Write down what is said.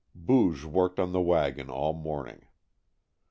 Booge worked on the wagon all morning.